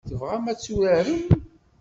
Tebɣam ad t-turarem?